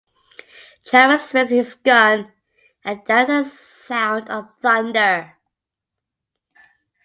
Travis raises his gun, and there is "a sound of thunder".